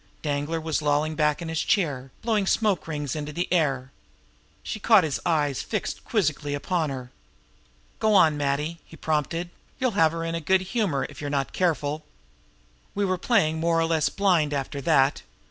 Danglar was lolling back in his chair, blowing smoke rings into the air. She caught his eyes fixed quizzically upon her. "Go on, Matty!" he prompted. "You'll have her in a good humor, if you're not careful!" "We were playing more or less blind after that."